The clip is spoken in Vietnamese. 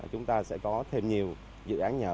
chúng ta sẽ có thêm nhiều dự án nhờ